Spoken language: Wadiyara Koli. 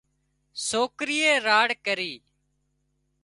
سوڪرِيئي راڙ ڪرِي